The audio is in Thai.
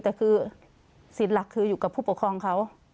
แต่คือสิทธิ์หลักคืออยู่กับผู้ปกครองเขา